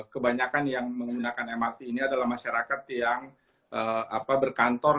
kebanyakan yang menggunakan mrt ini adalah masyarakat yang berkantor